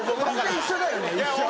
一緒だよね一緒。